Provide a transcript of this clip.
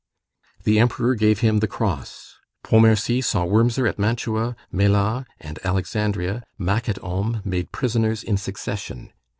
The Emperor gave him the cross. Pontmercy saw Wurmser at Mantua, Mélas, and Alexandria, Mack at Ulm, made prisoners in succession.